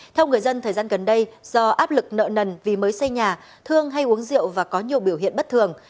theo người dân thời gian gần đây do áp lực nợ nần vì mới xây nhà thương hay uống rượu và có nhiều biểu hiện bất thường